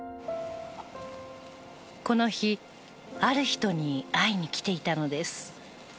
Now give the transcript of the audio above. この日ある人に会いに来ていたのです。